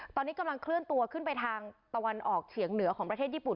ตอนนี้กำลังเคลื่อนตัวขึ้นไปทางตะวันออกเฉียงเหนือของประเทศญี่ปุ่น